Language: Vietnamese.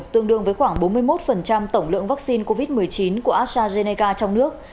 tương đương với khoảng bốn mươi một tổng lượng vaccine covid một mươi chín của astrazeneca trong nước